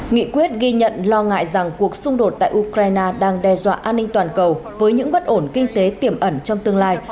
nghị quyết ghi nhận lo ngại rằng cuộc xung đột tại ukraine đang đe dọa an ninh toàn cầu với những bất ổn kinh tế tiềm ẩn trong tương lai